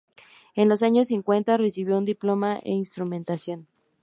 En los años cincuenta recibió un diploma en instrumentación.